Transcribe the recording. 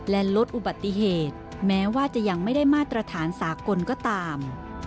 และลดอุบัติเหตุแม้ว่าจะยังไม่ได้มาตรฐานสากลก็ตาม